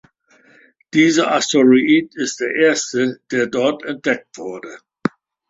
Dieser Asteroid ist der erste, der dort entdeckt wurde.